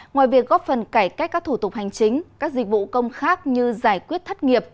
ngoài việc góp phần cải cách các thủ tục hành chính các dịch vụ công khác như giải quyết thất nghiệp